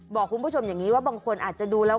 บอกคุณผู้ชมอย่างนี้ว่าบางคนอาจจะดูแล้ว